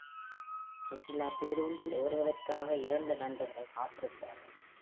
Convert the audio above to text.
சுற்றுலாப் பேருந்தில் ஏறுவதற்காக இரண்டு நண்பர்கள் காத்திருக்கிறார்கள்.